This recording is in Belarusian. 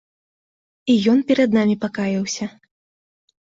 І ён перад намі пакаяўся.